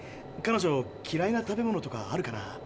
彼女きらいな食べ物とかあるかな？